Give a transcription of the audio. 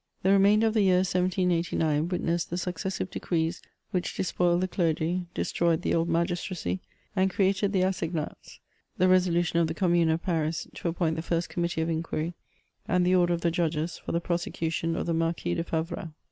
The remainder of the year 1789 wit nessed the successive decrees which despoiled the clergy, destroyed the old magisfracy, and created the assignatSf the resolution of the commune of Paris to appoint the First Committee of Inquiry, and the order of the judges for the prosecution of the Marquis de Favras.